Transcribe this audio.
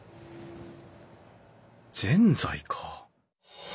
ぜんざいか。